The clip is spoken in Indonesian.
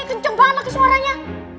kenceng banget suaranya